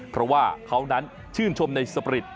เพราะว่าเขานั้นชื่นชมในสปริต